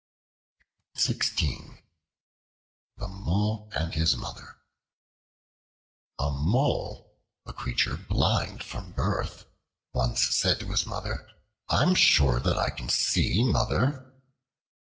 The Mole and His Mother A MOLE, a creature blind from birth, once said to his Mother: "I am sure than I can see, Mother!"